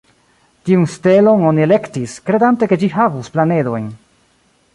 Tiun stelon oni elektis, kredante ke ĝi havus planedojn.